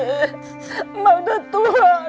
emak udah tua de